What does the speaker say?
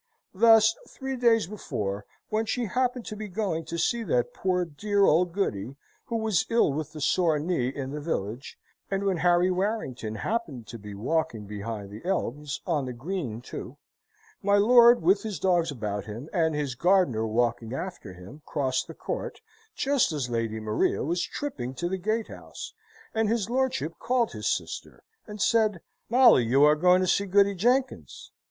Thus three days before, when she happened to be going to see that poor dear old Goody, who was ill with the sore knee in the village (and when Harry Warrington happened to be walking behind the elms on the green too), my lord with his dogs about him, and his gardener walking after him, crossed the court, just as Lady Maria was tripping to the gate house and his lordship called his sister, and said: "Molly, you are going to see Goody Jenkins.